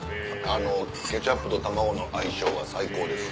あのケチャップと卵の相性が最高です。